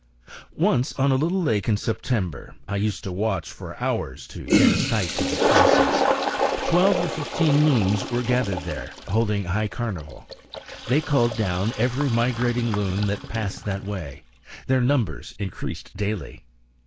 Once, on a little lake in September, I used to watch for hours to get a sight of the process. Twelve or fifteen loons were gathered there, holding high carnival. They called down every migrating loon that passed that way; their numbers increased daily.